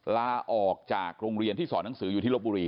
ลาออกจากโรงเรียนที่สอนหนังสืออยู่ที่ลบบุรี